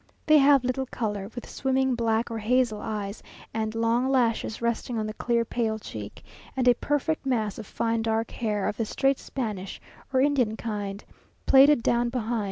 They have little colour, with swimming black or hazel eyes, and long lashes resting on the clear pale cheek, and a perfect mass of fine dark hair of the straight Spanish or Indian kind plaited down behind.